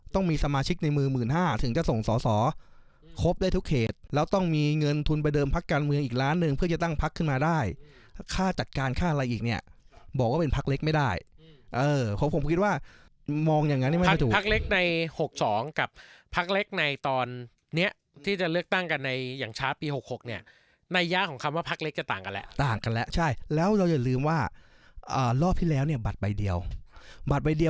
ต้องมีสมาชิกในมือหมื่นห้าถึงจะส่งสอสอครบได้ทุกเขตแล้วต้องมีเงินทุนไปเดิมพักการเมืองอีกล้านหนึ่งเพื่อจะตั้งพักขึ้นมาได้ค่าจัดการค่าอะไรอีกเนี้ยบอกว่าเป็นพักเล็กไม่ได้เออผมคิดว่ามองอย่างงั้นไม่ใช่ถูกพักเล็กในหกสองกับพักเล็กในตอนเนี้ยที่จะเลือกตั้งกันในอย่างช้าปีหกหกเนี้ยนัยย